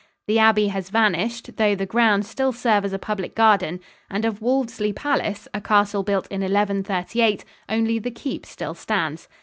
The abbey has vanished, though the grounds still serve as a public garden; and of Wolvesley Palace, a castle built in 1138, only the keep still stands.